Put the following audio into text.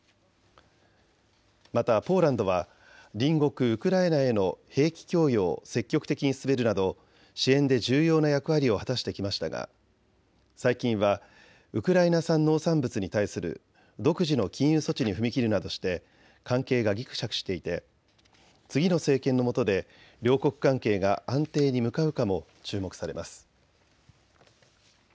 またポーランドは隣国ウクライナへの兵器供与を積極的に進めるなど支援で重要な役割を果たしてきましたが最近はウクライナ産農産物に対する独自の禁輸措置に踏み切るなどして関係がぎくしゃくしていて次の政権のもとで両国関係が安定に向かうかも注目されます。